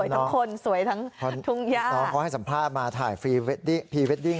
มันก็สวยดีค่ะถ้าสมมุติว่ามาถ่ายมุมพรีเวดดิ้ง